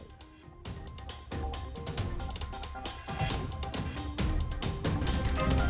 yang diperkenankan pembangunan